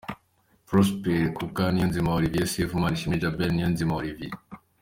Prosper Kuka , Niyonzima Olivier Sefu, Manishimwe Djabel, Niyonzima Olivier